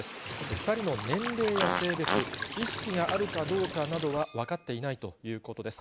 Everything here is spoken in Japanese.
２人の年齢や性別、意識があるかどうかなどは分かっていないということです。